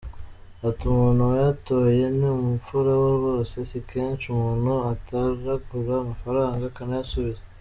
Ati : «Umuntu wayatoye ni imfura rwose, si kenshi umuntu atoragura amafaranga akayasubiza.